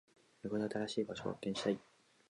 旅行で新しい場所を発見したい。